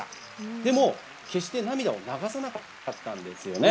でも決して涙を流さなかったんです。